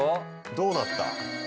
どうなった？